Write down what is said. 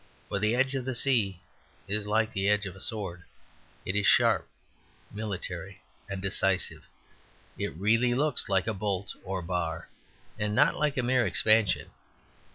For the edge of the sea is like the edge of a sword; it is sharp, military, and decisive; it really looks like a bolt or bar, and not like a mere expansion.